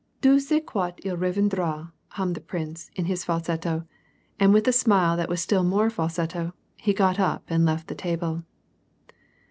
" Dieu sait quand il reviendra,^^ hummed the prince, in his falsetto, and with a smile that was still more falsetto, he got up and left the table.